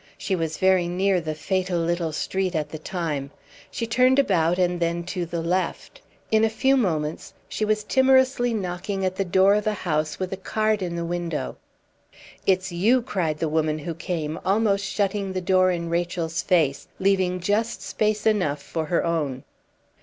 She was very near the fatal little street at the time. She turned about, and then to the left. In a few moments she was timorously knocking at the door of a house with a card in the window. "It's you!" cried the woman who came, almost shutting the door in Rachel's face, leaving just space enough for her own.